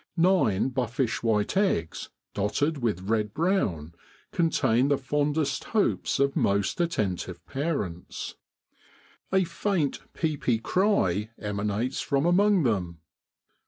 Nine bufnsh white eggs dotted with red brown contain the fondest hopes of most attentive parents. A faint peepy cry emanates from among them.